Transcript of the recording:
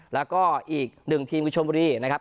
แล้วก็อีกหนึ่งทีมคือชมบุรีนะครับ